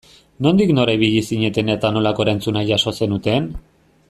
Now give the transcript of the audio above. Nondik nora ibili zineten eta nolako erantzuna jaso zenuten?